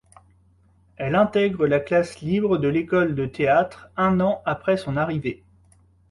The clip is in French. Elle intègre la classe libre de l'École de théâtre un an après son arrivée.